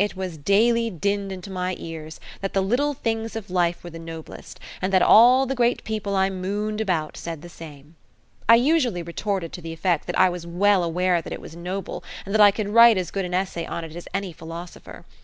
It was daily dinned into my cars that the little things of life were the noblest, and that all the great people I mooned about said the same. I usually retorted to the effect that I was well aware that it was noble, and that I could write as good an essay on it as any philosopher.